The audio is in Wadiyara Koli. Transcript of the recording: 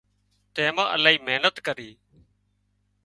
تيمان الاهي محنت ڪري